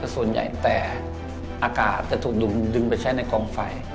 แต่ส่วนใหญ่แต่อากาศจะถูกดึงไปใช้ในกองไฟ